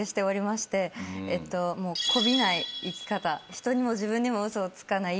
人にも自分にも嘘をつかない。